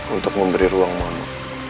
untuk memberi ruang mama